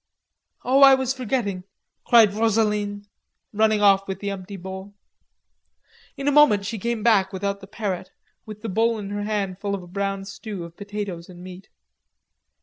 "Oh, I was forgetting," cried Rosaline, running off with the empty bowl. In a moment she came back without the parrot, with the bowl in her hand full of a brown stew of potatoes and meat.